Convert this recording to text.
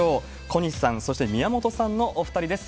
小西さん、そして宮本さんのお２人です。